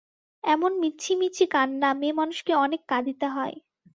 এমন মিছিমিছি কান্না মেয়েমানুষকে অনেক কাঁদিতে হয়।